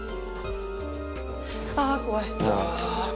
あぁ怖い。